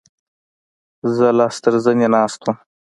زه لاس تر زنې ناست وم.